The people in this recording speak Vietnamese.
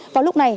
vào lúc này